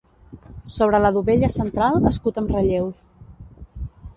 Sobre la dovella central escut amb relleu.